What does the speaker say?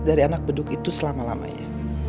dari anak beduk itu selama lamanya